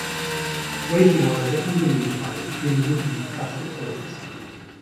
Racing honours are evenly divided between the wooden and the plastic boats.